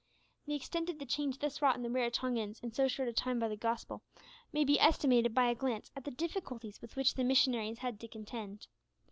The extent of the change thus wrought in the Raratongans in so short a time by the Gospel, may be estimated by a glance at the difficulties with which the missionaries had to contend.